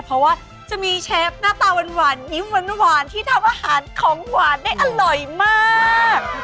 เพราะว่าจะมีเชฟหน้าตาหวานยิ้มหวานที่ทำอาหารของหวานได้อร่อยมาก